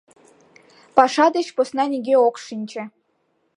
Паша деч посна нигӧ ок шинче.